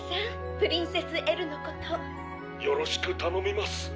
プリンセス・エルのこと」「よろしくたのみます」